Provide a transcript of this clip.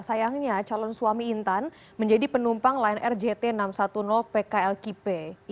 sayangnya calon suami intan menjadi penumpang lion air jt enam ratus sepuluh pklkp